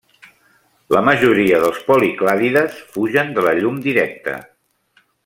La majoria dels policlàdides fugen de la llum directa.